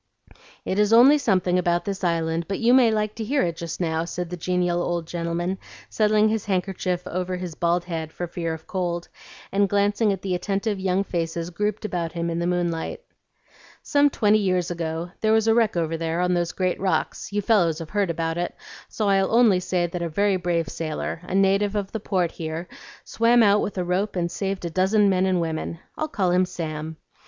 "It is only something about this island, but you may like to hear it just now," said the genial old gentleman, settling his handkerchief over his bald head for fear of cold, and glancing at the attentive young faces grouped about him in the moonlight. "Some twenty years ago there was a wreck over there on those great rocks; you fellows have heard about it, so I'll only say that a very brave sailor, a native of the Port here, swam out with a rope and saved a dozen men and women. I'll call him Sam.